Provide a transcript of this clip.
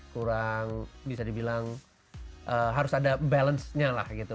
kurang bisa dibilang harus ada balance nya lah gitu